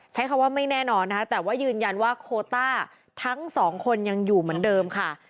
ใช้คำว่าไม่แน่นอนนะคะแต่ว่ายืนยันว่าโคต้าทั้งสองคนยังอยู่เหมือนเดิมค่ะ